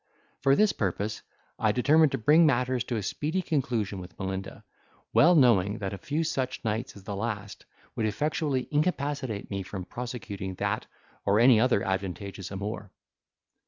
For this purpose, I determined to bring matters to a speedy conclusion with Melinda; well knowing that a few such nights as the last would effectually incapacitate me from prosecuting that or any other advantageous amour.